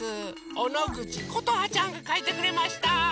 おのぐちことはちゃんがかいてくれました！